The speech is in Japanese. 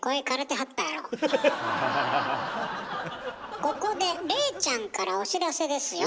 ここで礼ちゃんからお知らせですよ。